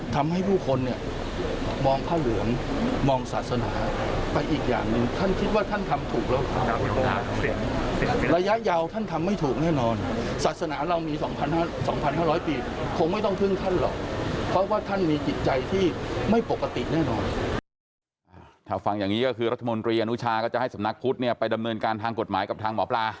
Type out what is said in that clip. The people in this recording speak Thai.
ถ้าฟังอย่างนี้ก็คือรัฐมนตรีอนุชาก็จะให้สำนักพุทธเนี่ยไปดำเนินการทางกฎหมายกับทางหมอปลา